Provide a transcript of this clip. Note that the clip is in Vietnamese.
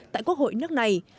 tại quốc hội nước này